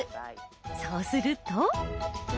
そうすると。